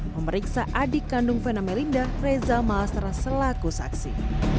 memeriksa adik kandung fena melinda reza mahasara selaku saksi